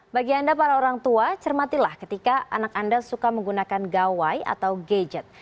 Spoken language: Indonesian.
bagi anda para orang tua cermatilah ketika anak anda suka menggunakan gawai atau gadget